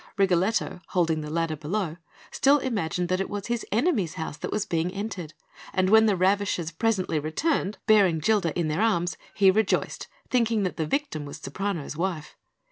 Rigoletto, holding the ladder below, still imagined that it was his enemy's house that was being entered; and when the ravishers presently returned, bearing Gilda in their arms, he rejoiced, thinking that the victim was Ceprano's wife.